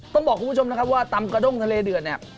ต้องบอกคุณผู้ชมนะครับว่าตำกระด้งทะเลเดือดเนี่ย